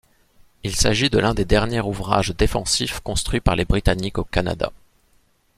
Il s'agit de l'un des derniers ouvrages défensifs construits par les Britanniques au Canada.